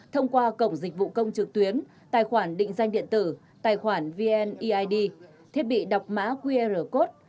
thông qua cổng dịch vụ công trực tuyến tài khoản định danh điện tử tài khoản vneid thiết bị đọc mã qr code